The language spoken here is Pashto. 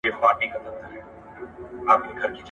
د اقتصادي ثبات ارزښت يې درک کاوه.